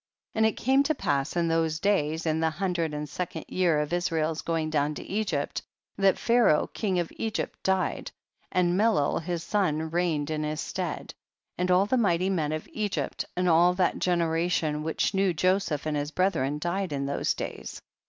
4. And it came to pass in those days, in the hundred and second year of Israel's going down to Egypt, that Pharaoh king of Egyj)t died, and Melol his son reigned in his stead, and all the mighty men of Egypt and all that generation which knew Jo seph and his brethren died in those days.